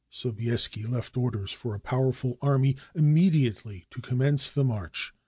Sobieski left orders for a powerful army immediately to commence their march.